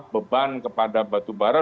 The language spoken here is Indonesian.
beban kepada batubara